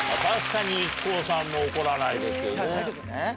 確かにＩＫＫＯさんも怒らないですよね。